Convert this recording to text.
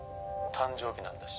誕生日なんだし」